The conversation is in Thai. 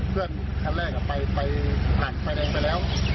เพื่อนขั้นแรกไปหลักไฟแดงไปแล้ว